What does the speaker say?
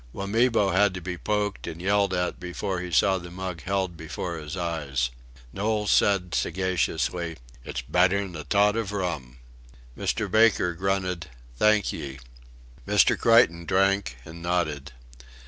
Wamibo had to be poked and yelled at before he saw the mug held before his eyes. Knowles said sagaciously: "It's better'n a tot o' rum." Mr. Baker grunted: "Thank ye." Mr. Creighton drank and nodded.